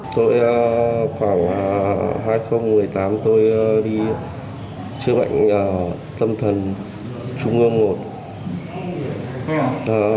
tôi khoảng hai nghìn một mươi tám tôi đi chữa bệnh tâm thần trung ương một